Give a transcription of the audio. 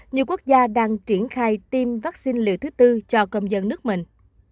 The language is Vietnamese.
nhiều quốc gia đang triển khai tiêm vắc xin liều thứ bốn cho công dân nước mình